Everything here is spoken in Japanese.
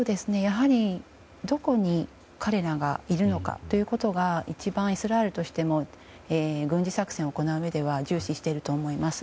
どこに彼らがいるのかということが一番イスラエルとしても軍事作戦を行ううえでは重視していると思います。